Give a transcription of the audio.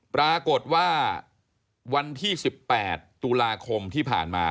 ปรากฏว่าวันที่๑๘ตุลาคมที่ผ่านมา